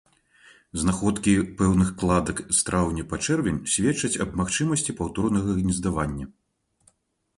Знаходкі поўных кладак з траўня па чэрвень сведчаць аб магчымасці паўторнага гнездавання.